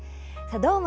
どーも！